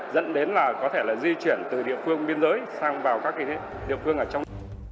dẫn đến là có thể là di chuyển từ địa phương biên giới sang vào các địa phương ở trong